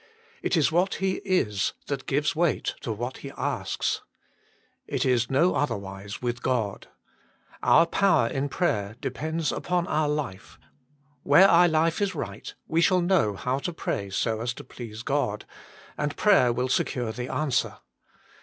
It is what he is that gives weight to what he asks. It is no otherwise with God. Our power in prayer depends upon our life Where our life ril 56 TUB MINISTRY OF INTERCESSION is right we shall know how to pray so as to please God, and prayer will secure the answer.